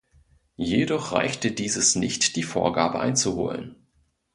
Jedoch reichte dieses nicht die Vorgabe einzuholen.